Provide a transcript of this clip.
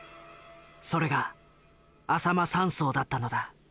それがあさま山荘だったのだ。